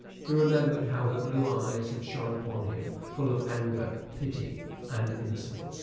He remembered how her blue eyes had shone upon him, full of anger, pity, and innocence.